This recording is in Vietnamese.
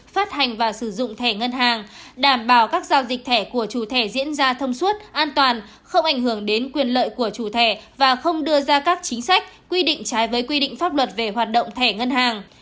phát hành và sử dụng thẻ ngân hàng đảm bảo các giao dịch thẻ của chủ thẻ diễn ra thông suốt an toàn không ảnh hưởng đến quyền lợi của chủ thẻ và không đưa ra các chính sách quy định trái với quy định pháp luật về hoạt động thẻ ngân hàng